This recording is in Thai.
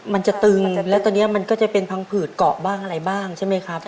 มันจะตึงแล้วตอนนี้มันก็จะเป็นพังผืดเกาะบ้างอะไรบ้างใช่ไหมครับ